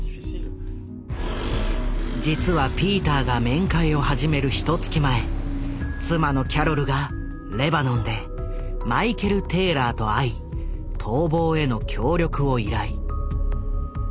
実はピーターが面会を始めるひとつき前妻のキャロルがレバノンでマイケル・テイラーと会い逃亡への協力を依頼。